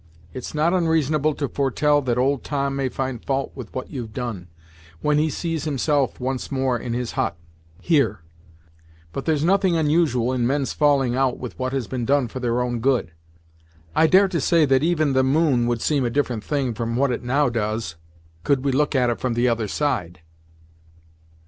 It's not onreasonable to foretell that old Tom may find fault with what you've done, when he sees himself once more in his hut, here, but there's nothing unusual in men's falling out with what has been done for their own good; I dare to say that even the moon would seem a different thing from what it now does, could we look at it from the other side."